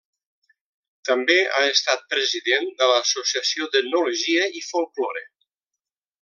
També ha estat president de l'Associació d'Etnologia i Folklore.